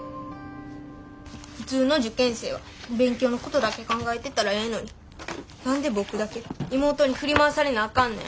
普通の受験生は勉強のことだけ考えてたらええのに何で僕だけ妹に振り回されなあかんねん。